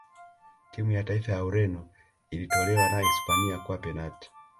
timu ya taifa ya ureno ilitolewa na hispania kwa penati